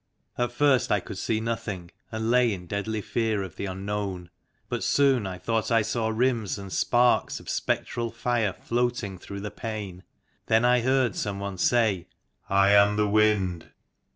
At first I could see nothing, and lay in deadly fear of the unknown ; but soon I thought I saw rims and sparks of spectral fire floating through the pane. Then I heard some one say :" I am the Wind."